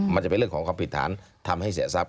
มันจะเป็นเรื่องของความผิดฐานทำให้เสียทรัพย